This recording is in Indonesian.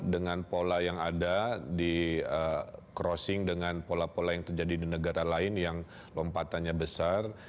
dengan pola yang ada di crossing dengan pola pola yang terjadi di negara lain yang lompatannya besar